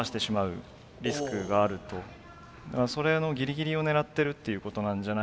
それのギリギリを狙ってるっていうことなんじゃないかなと思います。